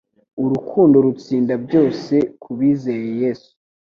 Urukundo rutsinda byose kubizeye yesu